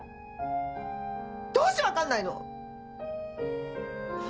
どうして分かんないの⁉